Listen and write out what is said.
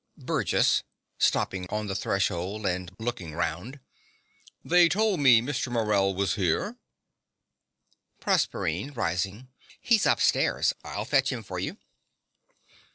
BURGESS (stopping on the threshold, and looking round). They told me Mr. Morell was here. PROSERPINE (rising). He's upstairs. I'll fetch him for you.